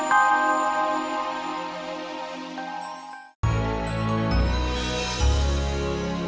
gak diangkat angkat om